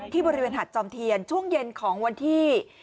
บริเวณหัดจอมเทียนช่วงเย็นของวันที่